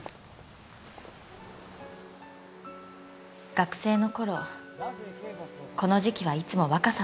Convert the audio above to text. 学生の頃この時期はいつも若狭の海にいた。